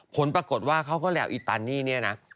ผลปรากฏว่าเขาก็แล้วอิตานี่เนี่ยนะ